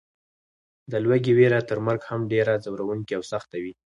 د لوږې وېره تر مرګ هم ډېره ځوروونکې او سخته وي.